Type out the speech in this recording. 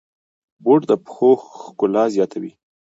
بوټ د پښو ښکلا زیاتوي.